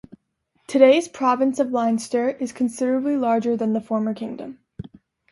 Today's province of Leinster is considerably larger than the former kingdom.